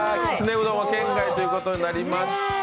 きつねうどんは圏外ということになりました。